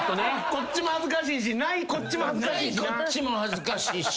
こっちも恥ずかしいしないこっちも恥ずかしいし。